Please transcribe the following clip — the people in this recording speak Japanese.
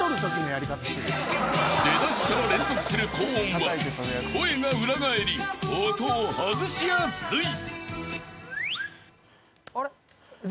［出だしから連続する高音は声が裏返り音を外しやすい］